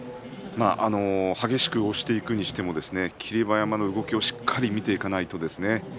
激しく押していくにしても霧馬山の動きをしっかり見ていかないとですね